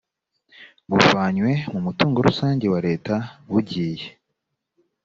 buvanywe mu mutungo rusange wa leta bugiye